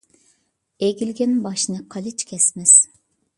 ئېگىلگەن باشنى قېلىچ كەسمەس.